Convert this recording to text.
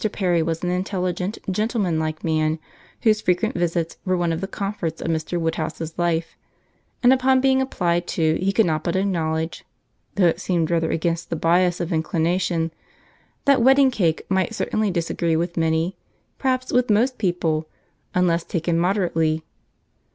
Perry was an intelligent, gentlemanlike man, whose frequent visits were one of the comforts of Mr. Woodhouse's life; and upon being applied to, he could not but acknowledge (though it seemed rather against the bias of inclination) that wedding cake might certainly disagree with many—perhaps with most people, unless taken moderately.